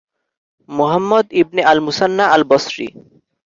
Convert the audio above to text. Muhammad ibn al-Musanna al-Basri